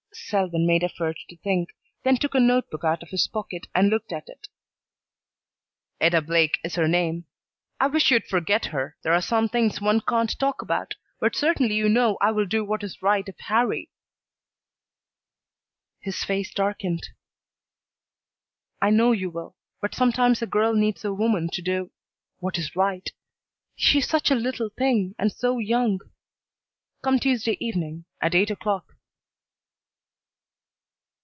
Selwyn made effort to think, then took a note book out of his pocket and looked at it. "Etta Blake is her name. I wish you'd forget her. There are some things one can't talk about, but certainly you know I will do what is right if Harrie " His face darkened. "I know you will, but sometimes a girl needs a woman to do what is right. She's such a little thing, and so young. Come Tuesday evening at eight o'clock."